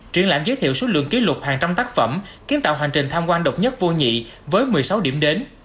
triển lãm giới thiệu số lượng kỷ lục hàng trăm tác phẩm kiến tạo hành trình tham quan độc nhất vô nhị với một mươi sáu điểm đến